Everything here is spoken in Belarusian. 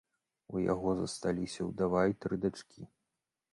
У яго засталіся ўдава і тры дачкі.